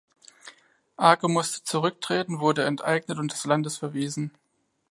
Arce musste zurücktreten, wurde enteignet und des Landes verwiesen.